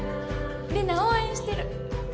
リナ応援してる！